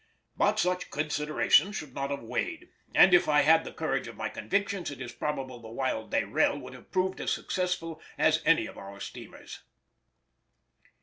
But such considerations should not have weighed, and if I had had the courage of my convictions it is probable the Wild Dayrell would have proved as successful as any of our steamers.